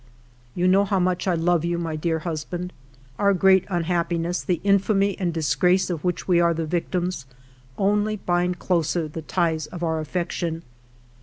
" You know how much I love you, my dear husband. Our great unhappiness, the infamy and disgrace of which we are the victims, only bind closer the ties of our affection.